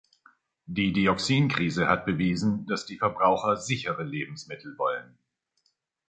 Die Dioxinkrise hat bewiesen, dass die Verbraucher sichere Lebensmittel wollen.